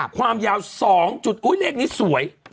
ความยาว๒จุดเลขนี้สวย